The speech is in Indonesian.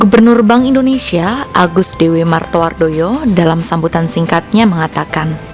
gubernur bank indonesia agus dewi martowardoyo dalam sambutan singkatnya mengatakan